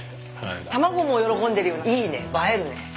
卵も喜んでるようないいね映えるね。